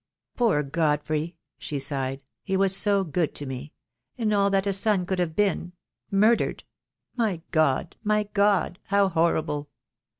"Poor Godfrey," she sighed, "he was so good to me — all that a son could have been — murdered! My God! my God! how horrible.